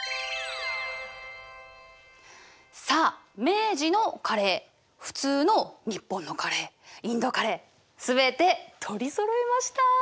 さあ明治のカレー普通の日本のカレーインドカレー全て取りそろえました。